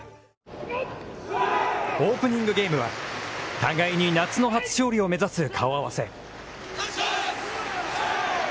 オープニングゲームは互いに夏の初勝利を目指す顔合わせ。